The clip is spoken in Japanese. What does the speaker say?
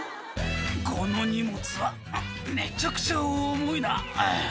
「この荷物はめちゃくちゃ重いな」